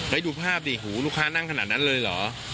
แล้วดูภาพดิหูลูกค้านั่งขนาดนั้นเลยเหรอ